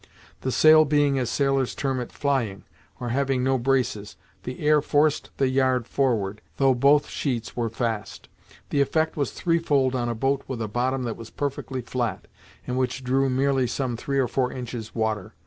The sail being as sailors term it, flying, or having no braces, the air forced the yard forward, though both sheets were fast. The effect was threefold on a boat with a bottom that was perfectly flat, and which drew merely some three or four inches water.